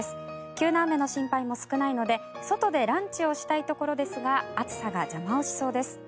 急な雨の心配も少ないので外でランチをしたいところですが暑さが邪魔をしそうです。